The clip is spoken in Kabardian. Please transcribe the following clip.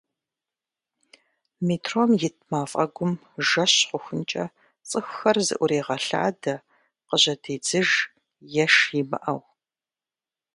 Метром ит мафӏэгум жэщ хъухункӏэ цӏыхухэр зыӏурегъэлъадэ къыжьэдедзыж, еш имыӏэу.